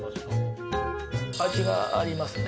味がありますね。